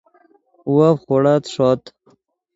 وف خوڑت ݰوت